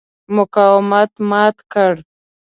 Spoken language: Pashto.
مقاومت مات کړ.